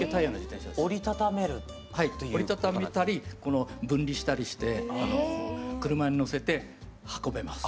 はい折り畳めたり分離したりして車に載せて運べます。